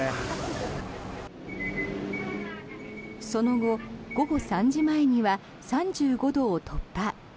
その後、午後３時前には３５度を突破。